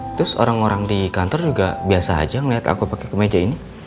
terus orang orang di kantor juga biasa aja ngeliat aku pakai kemeja ini